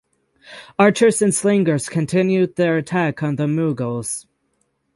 Archers and slingers continued their attack on the Mughals.